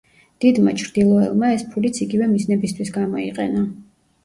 დიდმა ჩრდილოელმა ეს ფულიც იგივე მიზნებისთვის გამოიყენა.